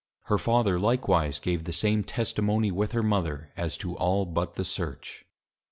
Her Father likewise gave the same Testimony with her Mother; as to all but the Search.